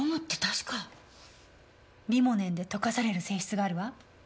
リモネンで溶かされる性質があるわ。